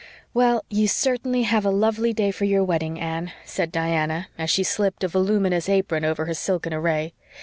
"Well, you certainly have a lovely day for your wedding, Anne," said Diana, as she slipped a voluminous apron over her silken array.